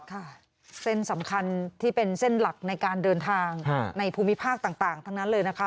ค่ะเส้นสำคัญที่เป็นเส้นหลักในการเดินทางในภูมิภาคต่างทั้งนั้นเลยนะคะ